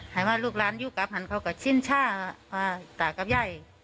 ให้ว่าลูกหลานอยู่กับหันเขาก็ชินช่าว่าตากับยาย